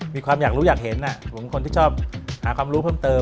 มีความอยากรู้อยากเห็นผมเป็นคนที่ชอบหาความรู้เพิ่มเติม